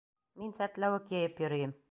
Мин сәтләүек йыйып йөрөйөм.